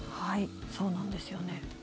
そうなんですよね。